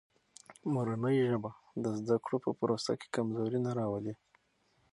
مورنۍ ژبه د زده کړو په پروسه کې کمزوري نه راولي.